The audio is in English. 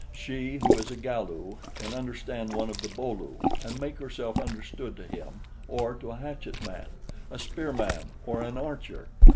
She, who is a Galu, can understand one of the Bo lu and make herself understood to him, or to a hatchet man, a spear man or an archer.